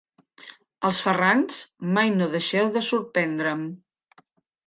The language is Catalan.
Els Ferrans mai no deixeu de sorprendre'm.